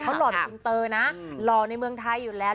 เขาหล่อเป็นอินเตอร์นะหล่อในเมืองไทยอยู่แล้ว